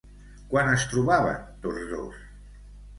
Quan es trobaven tots dos?